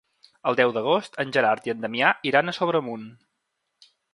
El deu d'agost en Gerard i en Damià iran a Sobremunt.